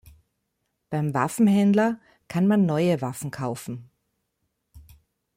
Beim Waffenhändler kann man neue Waffen kaufen.